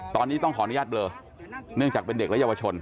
ตอนนี้ต้องขออนุญาตเบลอเนื่องจากเป็นเด็กและเยาวชน